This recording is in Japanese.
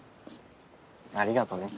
ありがとね。